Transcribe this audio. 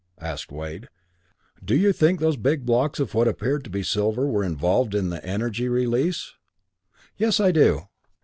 asked Wade. "Do you think those big blocks of what appeared to be silver were involved in the energy release?" "Yes, I do.